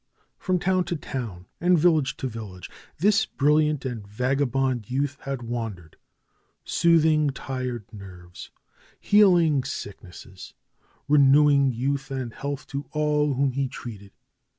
From town to town, and village to village, this bril liant and vagabond youth had wandered ; soothing tired nerves, healing sicknesses, renewing youth and health to all whom he treated.